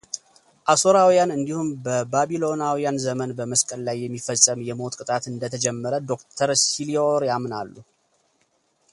አሶራውያን እንዲሁም በባቢሎናውያን ዘመን በመስቀል ላይ የሚፈጸም የሞት ቅጣት እንደተጀመረ ዶክተር ሲሊዮር ያምናሉ።